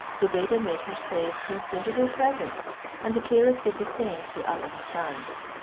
Zobeide made her slave considerable presents, and the caliph did the same to Abou Hassan.